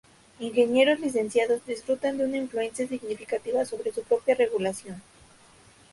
Ingenieros licenciados disfrutan de una influencia significativa sobre su propia regulación.